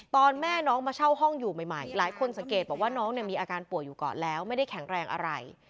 ตอนแม่น้องมาเช่าห้องอยู่ใหม่หลายคนสังเกตบอกว่าน้องมีอาการป่วยอยู่ก่อนแล้วไม่ได้แข็งแรงอะไร